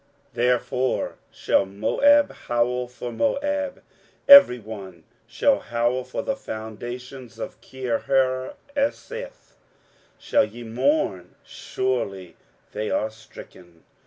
23:016:007 Therefore shall Moab howl for Moab, every one shall howl: for the foundations of Kirhareseth shall ye mourn; surely they are stricken.